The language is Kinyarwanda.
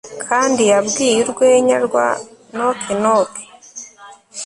Kandi yabwiye urwenya rwa Knock Knock